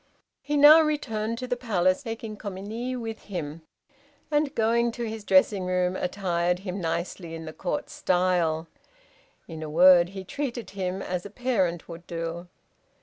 He now returned to the Palace taking Komini with him, and, going to his dressing room, attired him nicely in the Court style; in a word, he treated him as a parent would do.